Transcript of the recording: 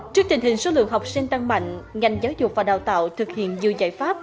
trước tình hình số lượng học sinh tăng mạnh ngành giáo dục và đào tạo thực hiện dư giải pháp